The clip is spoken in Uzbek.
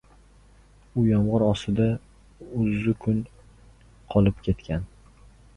U yomg‘ir ostida uzzukun qolib ketgan